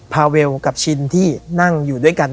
พาเวลกับชินที่นั่งอยู่ด้วยกัน